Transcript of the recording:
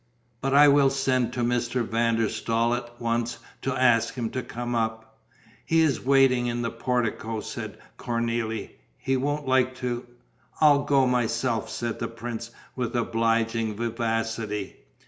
"But I will send to Mr. van der Staal at once to ask him to come up." "He is waiting in the portico," said Cornélie. "He won't like to...." "I'll go myself," said the prince, with obliging vivacity.